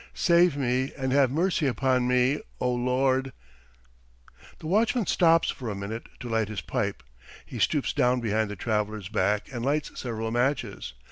Save me and have mercy upon me, O Lord." The watchman stops for a minute to light his pipe. He stoops down behind the traveller's back and lights several matches.